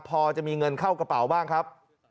พอจะมีเงินเข้ากระเป๋าบ้างครับ